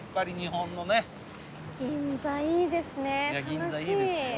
銀座いいですよ。